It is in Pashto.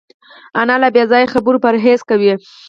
انا له بېځایه خبرو پرهېز کوي